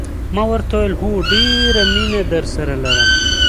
ما ورته وویل: هو، ډېره مینه درسره لرم.